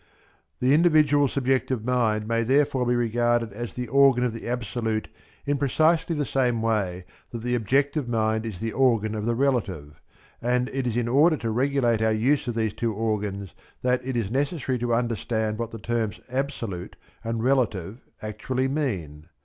The individual subjective mind may therefore be regarded as the organ of the Absolute in precisely the same way that the objective mind is the organ of the Relative, and it is in order to regulate our use of these two organs that it is necessary to understand what the terms "absolute" and "relative" actually mean.